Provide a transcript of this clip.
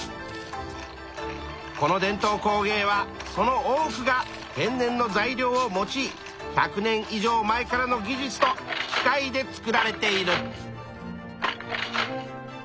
この伝統工芸はその多くが天然の材料を用い１００年以上前からの技術と機械で作られている。